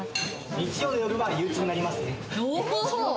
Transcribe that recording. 日曜の夜は憂鬱になりますね。